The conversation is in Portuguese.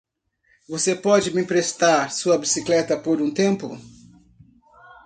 Você pode me emprestar sua bicicleta por um tempo?